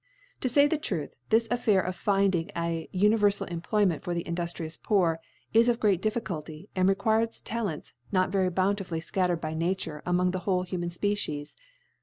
To fay the Truth, this Affair of finding an univcrfal Employment for the induftrious Poor, is of great Difficulty, and requires Talents not very bountifully fcattered by Nature among the whole human Species.